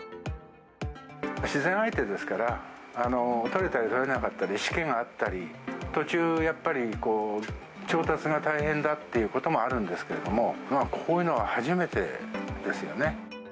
自然相手ですから、取れたり取れなかったり、しけがあったり、途中、やっぱり調達が大変だっていうこともあるんですけれども、こういうのは初めてですよね。